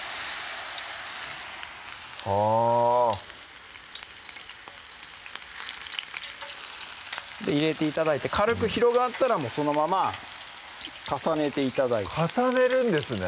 はぁ入れて頂いて軽く広がったらそのまま重ねて頂いて重ねるんですね